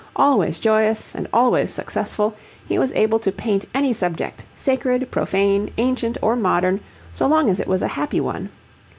Always joyous and always successful, he was able to paint any subject, sacred, profane, ancient, or modern, so long as it was a happy one.